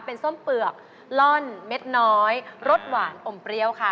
เป็นส้มเปลือกล่อนเม็ดน้อยรสหวานอมเปรี้ยวค่ะ